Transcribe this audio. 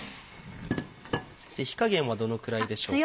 先生火加減はどのくらいでしょうか？